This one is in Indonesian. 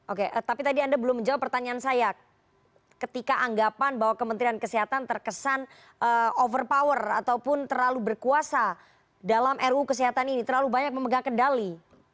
oke tapi tadi anda belum menjawab pertanyaan saya ketika anggapan bahwa kementerian kesehatan terkesan overpower ataupun terlalu berkuasa dalam ruu kesehatan ini terlalu banyak memegang kendali